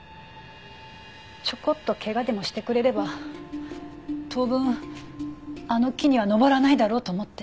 ちょこっと怪我でもしてくれれば当分あの木には登らないだろうと思って。